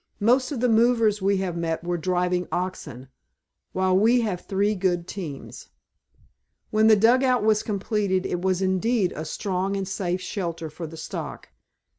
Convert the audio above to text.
Most of the movers we have met were driving oxen, while we have three good teams." When the dugout was completed it was indeed a strong and safe shelter for the stock.